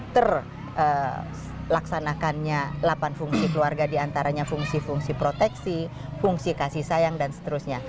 terlaksanakannya delapan fungsi keluarga diantaranya fungsi fungsi proteksi fungsi kasih sayang dan seterusnya